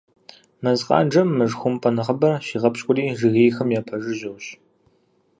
Мэз къанжэм мышхумпӏэ нэхъыбэр щигъэпщкӏури жыгейхэм япэжыжьэущ.